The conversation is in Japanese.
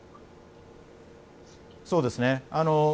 そうですね。